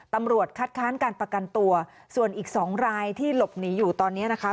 ตำรวจคัดค้านการประกันตัวส่วนอีกสองรายที่หลบหนีอยู่ตอนนี้นะคะ